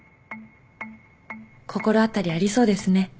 心当たりありそうですね。